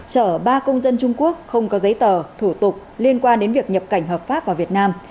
chở ba công dân trung quốc không có giấy tờ thủ tục liên quan đến việc nhập cảnh hợp pháp vào việt nam